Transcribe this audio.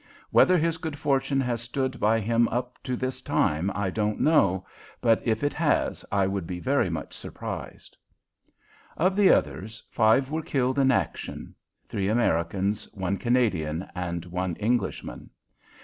Whether his good fortune has stood by him up to this time I don't know, but if it has I would be very much surprised. Of the others five were killed in action three Americans, one Canadian, and one Englishman.